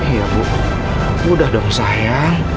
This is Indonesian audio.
iya bu udah dong sayang